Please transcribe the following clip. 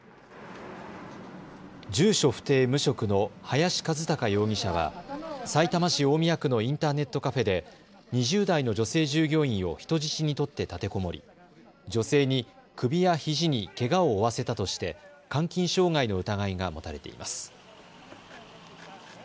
住所不定・無職の林一貴容疑者はさいたま市大宮区のインターネットカフェで２０代の女性従業員を人質に取って立てこもり女性に首やひじにけがを負わせたとして監禁傷害の疑いが持たれています。